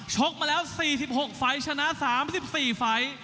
ชกมาแล้ว๔๖ฟ้ายชนะ๓๔ฟ้าย